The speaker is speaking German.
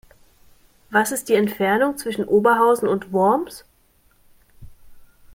Was ist die Entfernung zwischen Oberhausen und Worms?